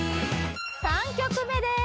３曲目です